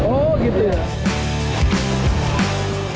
oh gitu ya